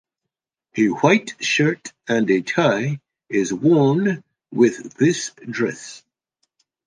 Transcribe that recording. A white shirt and a tie is worn with this dress.